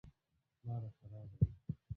لاره خرابه ده.